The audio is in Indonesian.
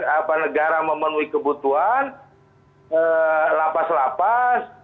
apa negara memenuhi kebutuhan lapas lapas